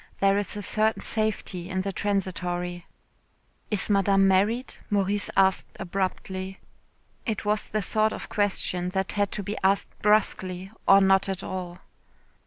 There is a certain safety in the transitory. Is Madame married? Maurice asked abruptly. It was the sort of question that had to be asked brusquely, or not at all.